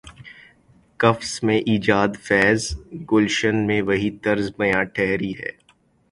قفس میں ایجادفیض، گلشن میں وہی طرز بیاں ٹھہری ہے۔